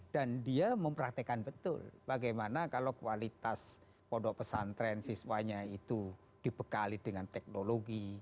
dan dia mempraktekan betul bagaimana kalau kualitas pondok pesantren siswanya itu dibekali dengan teknologi